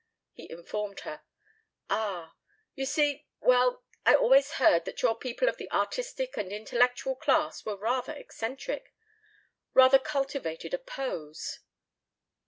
He informed her. "Ah! You see well, I always heard that your people of the artistic and intellectual class were rather eccentric rather cultivated a pose."